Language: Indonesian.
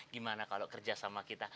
gimana kalau kerja sama kita